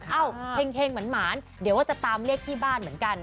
เอ้าเห็นเห็นเหมือนหมานเดี๋ยวว่าจะตามเลขที่บ้านเหมือนกัน